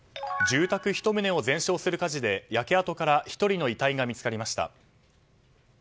住宅１棟を全焼する火事で焼け跡から１人の遺体が見つかりました。